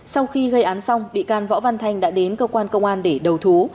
sau khi gây án xong bị can võ văn thanh đã đến cơ quan công an để đầu thú